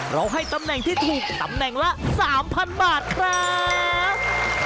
ให้ตำแหน่งที่ถูกตำแหน่งละ๓๐๐บาทครับ